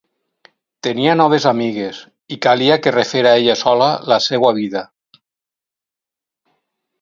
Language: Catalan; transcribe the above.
Tenia noves amigues i calia que refera ella sola la seua vida.